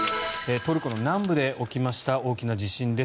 トルコの南部で起きました大きな地震です。